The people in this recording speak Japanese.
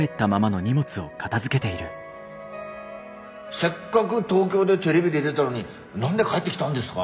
「せっかぐ東京でテレビ出でだのに何で帰ってきたんですか？